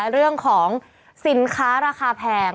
เรื่องของสินค้าราคาแพง